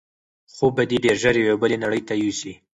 خوب به دی ډېر ژر یوې بلې نړۍ ته یوسي.